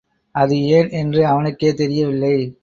அது ஏன் என்று அவனுக்கே தெரியவில்லை.